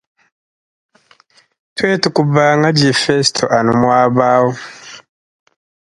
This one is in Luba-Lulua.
Twetu kubanga difesto anu mwaba awu.